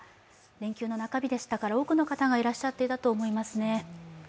連休の中日でしたから多くの方がいらっしゃっていたと思いますね。